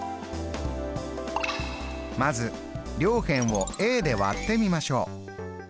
まず両辺をで割ってみましょう。